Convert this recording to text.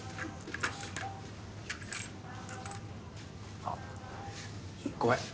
あっごめん。